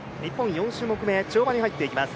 ４種目め、跳馬に入っていきます。